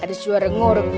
ada suara ngorong